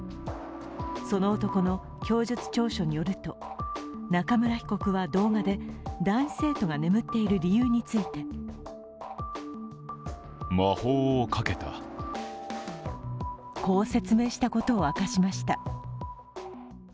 その男の供述調書によると中村被告は、動画で男子生徒が眠っている理由についてこう説明したことを明かしました。